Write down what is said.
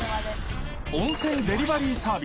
［温泉デリバリーサービス］